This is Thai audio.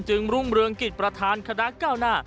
รุ่งเรืองกิจประธานคณะก้าวหน้า